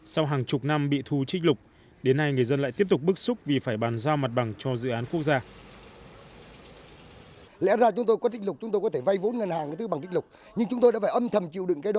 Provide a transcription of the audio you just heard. sau hàng chục năm bị thu trích lục đến nay người dân lại tiếp tục bức xúc vì phải bàn giao mặt bằng cho dự án quốc gia